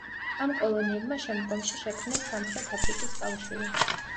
ამ კოლონიებმა შემდგომში შექმნეს სამხრეთ აფრიკის კავშირი.